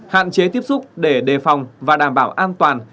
hạn chế tiếp xúc để đề phòng và đảm bảo an toàn